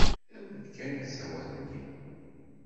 Awi-d kan asawal-nni.